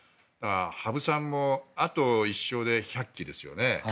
羽生さんもあと１勝で１００期ですよね。